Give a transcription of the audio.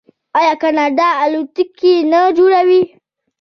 آیا کاناډا الوتکې نه جوړوي؟